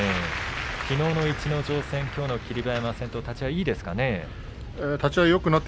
きのうの逸ノ城戦そして、きょうの霧馬山戦と立ち合いいいですね。